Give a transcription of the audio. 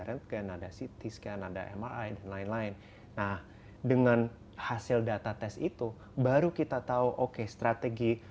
redcan ada ct scan ada mi dan lain lain nah dengan hasil data tes itu baru kita tahu oke strategi